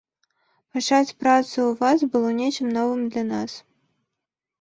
Пачаць працу ў вас было нечым новым для нас.